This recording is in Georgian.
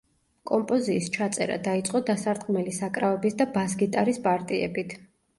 კომპოზიის ჩაწერა დაიწყო დასარტყმელი საკრავების და ბას-გიტარის პარტიებით.